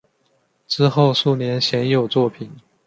之后数年鲜有作品。